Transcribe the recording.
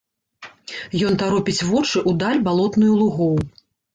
Ён таропіць вочы ў даль балотную лугоў.